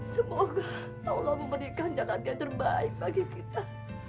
semoga allah memberikan jalan yang terbaik bagi kita